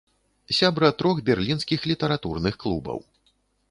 Сябра трох берлінскіх літаратурных клубаў.